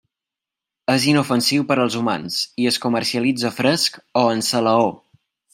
És inofensiu per als humans i es comercialitza fresc o en salaó.